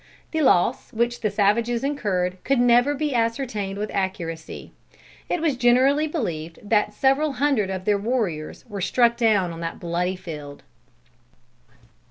The loss which the savages incurred could never be ascertained with accuracy. It was generally believed that several hundred of their warriors were struck down on that bloody field.